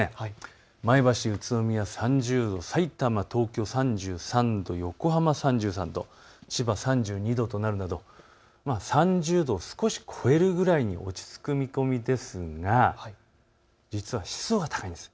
前橋、宇都宮、３０度、さいたま、東京、３３度、横浜３３度、千葉３２度となるなど３０度を少し超えるぐらいに落ち着く見込みですが実は湿度が高いんです。